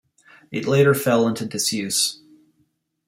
It later fell into disuse.